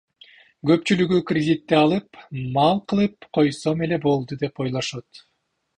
Көпчүлүгү кредитти алып, мал кылып койсом эле болду деп ойлошот.